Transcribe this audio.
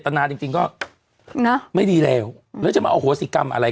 ตนาจริงจริงก็นะไม่ดีแล้วแล้วจะมาอโหสิกรรมอะไร